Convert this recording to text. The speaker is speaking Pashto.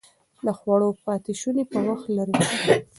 د خوړو پاتې شوني په وخت لرې کړئ.